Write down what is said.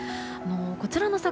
こちらの桜